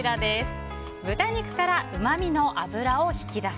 豚肉からうまみの脂を引き出す！